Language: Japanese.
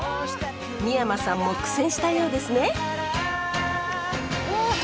三山さんも苦戦したようですね。